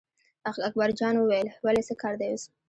اکبرجان وویل ولې څه کار دی اوس.